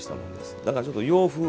だからちょっと洋風。